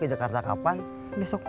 besok berangkatnya berapa